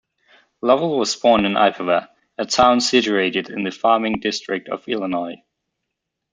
Lovell was born in Ipava, a town situated in the farming district of Illinois.